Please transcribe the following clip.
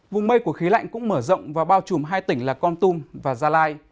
vùng mây của khí lạnh cũng mở rộng và bao trùm hai tỉnh là con tum và gia lai